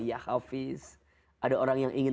ya hafiz ada orang yang ingin